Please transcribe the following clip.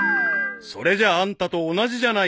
［それじゃあんたと同じじゃないか］